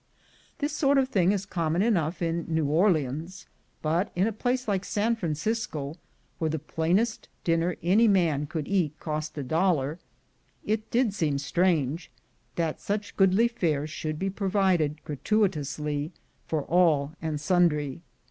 This sort of thing ia common enough in New Orleans; but in a place like San Francisco, where the plainest dinner any man could eat cost a dollar, it did seem strange that such goodly fare should be pro vided gratuitously for all and sundry.